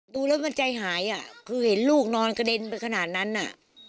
ดูแล้วมันใจหายอ่ะคือเห็นลูกนอนกระเด็นไปขนาดนั้นน่ะ